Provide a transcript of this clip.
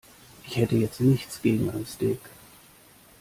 Ich hätte jetzt nichts gegen ein Steak.